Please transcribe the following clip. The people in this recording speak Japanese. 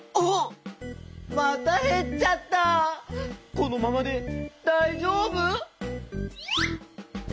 このままでだいじょうぶ？